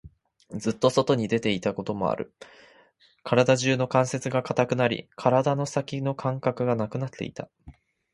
ずっと外に出ていたこともある。体中の関節が堅くなり、体の先の感覚がなくなっていた。